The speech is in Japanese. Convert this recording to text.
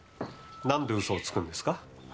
なんで嘘をつくんですか？